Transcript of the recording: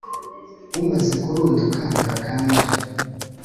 Umaze kurunduka ntakanja: